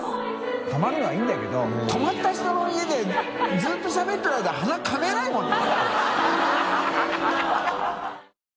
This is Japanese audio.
颪泙襪里いいんだけど泊まった人の家で困辰しゃべってるあいだ鼻かめないもんな。